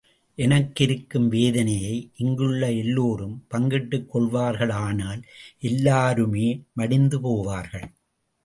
எனக்கு இருக்கும் வேதனையை இங்குள்ள எல்லோரும் பங்கிட்டுக் கொள்வார்களானால், எல்லோருமே மடிந்து போவார்கள்.